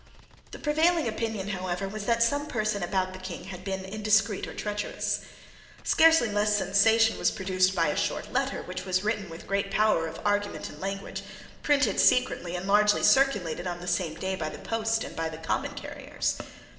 The prevailing opinion, however, was that some person about the King had been indiscreet or treacherous. Scarcely less sensation was produced by a short letter which was written with great power of argument and language, printed secretly, and largely circulated on the same day by the post and by the common carriers.